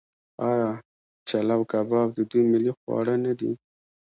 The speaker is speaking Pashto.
آیا چلو کباب د دوی ملي خواړه نه دي؟